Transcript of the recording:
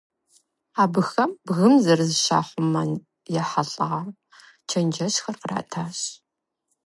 Абыхэм бгым зэрызыщахъумэным ехьэлӀа чэнджэщхэр къратащ.